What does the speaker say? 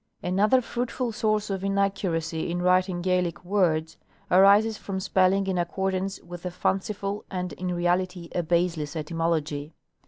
Another fruitful source of inaccuracy in writing Gaelic words arises from spelling in accordance with a fanciful and in reality a baseless etymology.